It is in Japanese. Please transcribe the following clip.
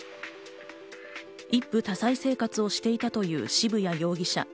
一夫多妻生活をしていたという渋谷容疑者。